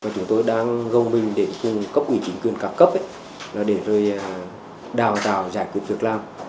chúng tôi đang gồng mình để cung cấp quỷ chính quyền cặp cấp để đào tạo giải quyết việc làm